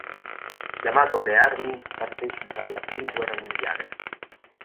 Chiamato alle armi partecipa alla prima guerra mondiale.